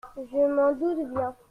Je m'en doute bien.